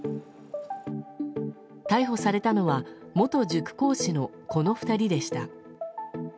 逮捕されたのは元塾講師のこの２人でした。